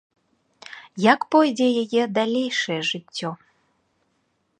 Як пойдзе яе далейшае жыццё?